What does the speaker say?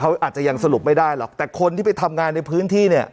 เขาอาจจะยังสรุปไม่ได้หรอกแต่คนที่ไปทำงานในพื้นที่เนี่ย